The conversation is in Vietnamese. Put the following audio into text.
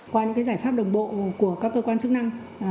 qua những giải pháp đồng bộ của các cơ quan chức năng